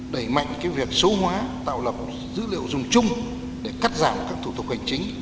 đẩy mạnh việc số hóa tạo lập dữ liệu dùng chung để cắt giảm các thủ tục hành chính